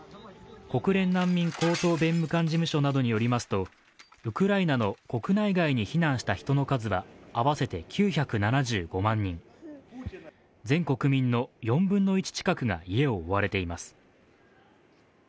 国連難民高等弁務官事務所などによりますとウクライナの国内外に避難した人の数は合わせて９７５万人全国民の４分の１近くが家を追われています。